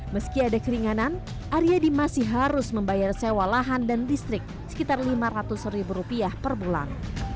meski ada keringanan aryadi masih harus membayar sewa lahan dan listrik sekitar lima ratus ribu rupiah per bulan